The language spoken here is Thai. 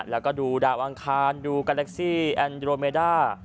แล้วก็ดูดาวอังคารดูการเล็กซี่แอนโดรเมด้า